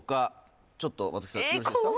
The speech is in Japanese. ちょっと松木さんよろしいですか？